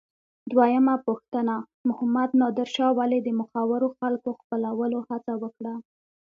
دویمه پوښتنه: محمد نادر شاه ولې د مخورو خلکو خپلولو هڅه وکړه؟